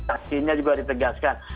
aslinya juga ditegaskan